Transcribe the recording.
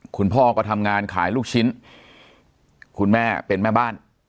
คุณพ่อก็ทำงานขายลูกชิ้นคุณแม่เป็นแม่บ้าน